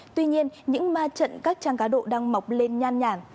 tuy nhiên những ma trận các trang cá độ đang mọc lên nhan nhản